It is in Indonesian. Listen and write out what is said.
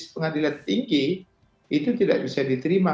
hukum yang ada di latar tinggi itu tidak bisa diterima